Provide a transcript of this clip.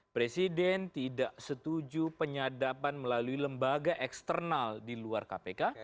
presiden tidak setuju penyadapan melalui lembaga eksternal di luar kpk